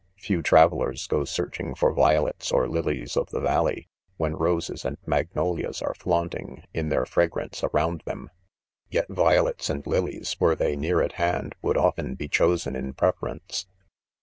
Few travellers go searching for violets or lilies of the valley, when roses and magnolias are flaunting, in their fragrance, around them j yet violets and lilies, were they near at hand, would often be chosen in preference.